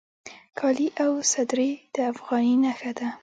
کالي او صدرۍ د افغاني نښه ده